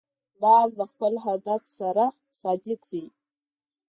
باز د خپل هدف سره صادق دی